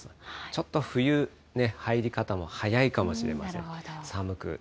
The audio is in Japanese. ちょっと冬ね、入り方も早いかもしれません。